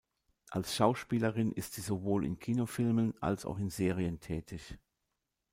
Als Schauspielerin ist sie sowohl in Kinofilmen als auch in Serien tätig.